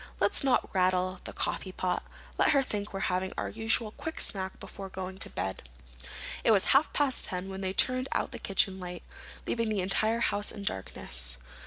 "Let's not rattle the coffeepot. Let her think we're having our usual quick snack before going to bed." It was half past ten when they turned out the kitchen light, leaving the entire house in darkness.